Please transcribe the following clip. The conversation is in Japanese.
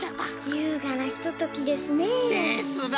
ゆうがなひとときですね。ですな。